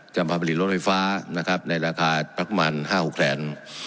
มาผลิตรถไฟฟ้านะครับในราคาประมาณ๕๖แสน